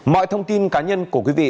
mọi thông tin cá nhân của quý vị